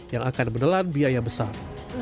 yang akan menelan biaya besar